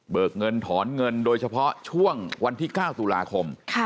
เงินถอนเงินโดยเฉพาะช่วงวันที่๙ตุลาคม